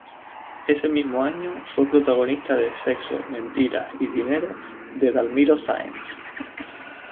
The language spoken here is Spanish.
Ese mismo año fue protagonista de "Sexo, mentiras y dinero" de Dalmiro Sáenz.